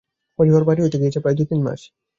হরিহর বাড়ি হইতে গিয়াছে প্রায় দুই-তিন মাস।